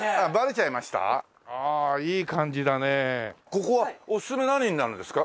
ここはおすすめ何になるんですか？